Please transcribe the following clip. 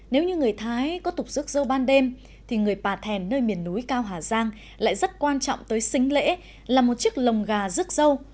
nếu như người thái có tục rước dâu ban đêm thì người bà thèn nơi miền núi cao hà giang lại rất quan trọng tới xính lễ là một chiếc lồng gà rước dâu